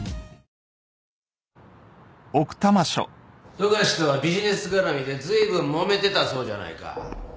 富樫とはビジネス絡みでずいぶんもめてたそうじゃないか。